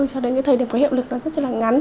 cho đến những thời điểm có hiệu lực nó rất là ngắn